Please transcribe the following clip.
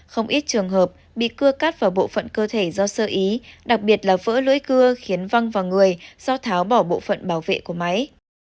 không ít trường hợp bị cưa cắt vào bộ phận cơ thể do sơ ý đặc biệt là vỡ lưỡi cưa khiến văng vào người do tháo bỏ bộ phận bảo vệ của máy